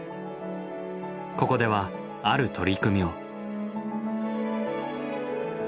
ここではある取り組みを。